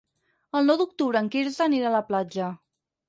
El nou d'octubre en Quirze anirà a la platja.